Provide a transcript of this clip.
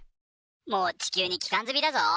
もう地球に帰還済みだぞー。